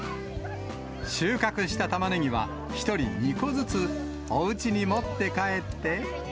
収穫したタマネギは、１人２個ずつおうちに持って帰って。